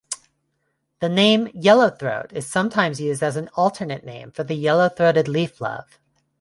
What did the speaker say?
The name 'yellowthroat' is sometimes used as an alternate name for the yellow-throated leaflove.